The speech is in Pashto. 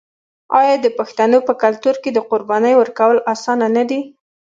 آیا د پښتنو په کلتور کې د قربانۍ ورکول اسانه نه دي؟